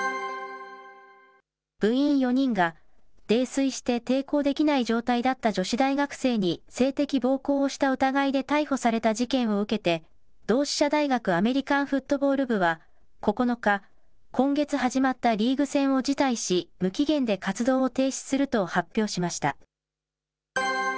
部員４人が、泥酔して抵抗できない状態だった女子大学生に、性的暴行をした疑いで逮捕された事件を受けて、同志社大学アメリカンフットボール部は、９日、今月始まったリーグ戦を辞退し、無期限で活動を停止すると発表しました。